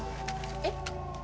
えっ？